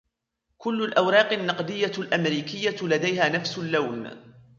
كل الأوراق النقدية الأمريكية لديها نفس اللون.